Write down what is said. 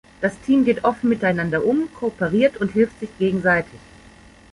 Das Team geht offen miteinander um, kooperiert und hilft sich gegenseitig.